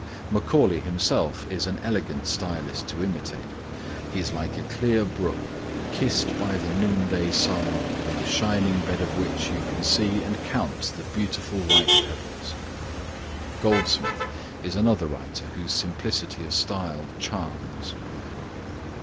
Macaulay himself is an elegant stylist to imitate. He is like a clear brook kissed by the noon day sun in the shining bed of which you can see and count the beautiful white pebbles. Goldsmith is another writer whose simplicity of style charms.